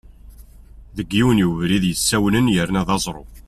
Deg yiwen webrid yessawnen yerna d aẓru.